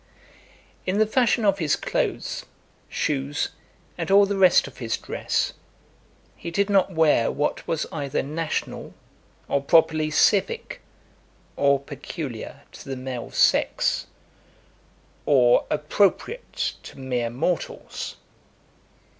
LII. In the fashion of his clothes, shoes, and all the rest of his dress, he did not wear what was either national, or properly civic, or peculiar to the male sex, or appropriate to mere mortals.